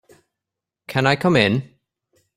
Can I come in?